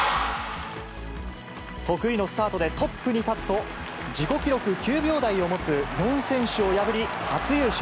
得意のスタートでトップに立つと、自己記録９秒台を持つ４選手を破り、初優勝。